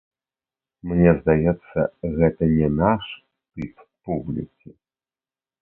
Мне здаецца, гэта не наш тып публікі.